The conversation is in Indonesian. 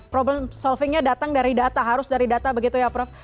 problem solvingnya datang dari data harus dari data begitu ya prof